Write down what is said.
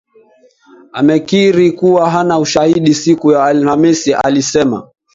amekiri kuwa hana ushahidi Siku ya alhamisi alisema